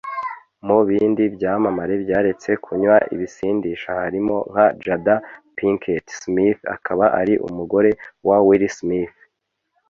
Mu bindi byamamare byaretse kunywa ibisindisha harimo nka Jada Pinkett Smith akaba ari umugore wa Will Smith